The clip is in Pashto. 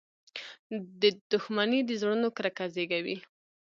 • دښمني د زړونو کرکه زیږوي.